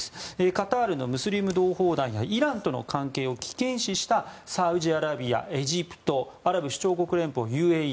カタールのムスリム同胞団やイランとの関係を危険視したサウジアラビア、エジプトアラブ首長国連邦・ＵＡＥ